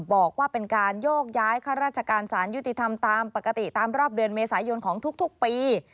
บอกว่าเป็นการโยกย้ายข้าราชการสารยุติธรรมตามปกติตามรอบเดือนเมษายนของทุกปี